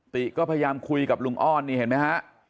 ติกิติศักดิ์ก็พยายามคุยกับลุงอ้อนนี่เห็นมั้ยฮะ